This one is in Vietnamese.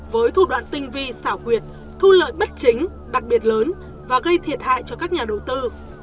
với thủ đoạn tinh vi xảo quyệt thu lợi bất chính đặc biệt lớn và gây thiệt hại cho các nhà đầu tư